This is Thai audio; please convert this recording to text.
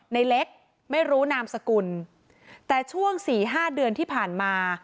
ในเล็กไม่รู้นามสกุลแต่ช่วงสี่ห้าเดือนที่ผ่านมา